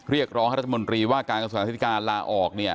เรียกร้องรัฐมนตรีว่าการกระสุนสถานการณ์ลาออก